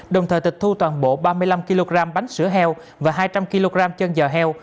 đồng thời tịch thu toàn bộ ba mươi năm kg bánh sữa heo và hai trăm linh kg chân giò heo